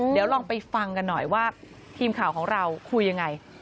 เดี๋ยวลองไปฟังกันหน่อยว่าทีมข่าวของเราคุยยังไง